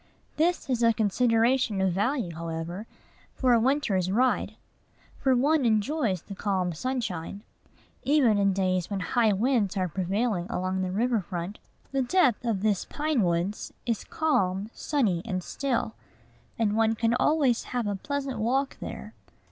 This is a consideration of value, however, for a winter's ride; for one enjoys the calm sunshine. Even in days when high winds are prevailing along the river front, the depth of these pine woods is calm, sunny, and still; and one can always have a pleasant walk there.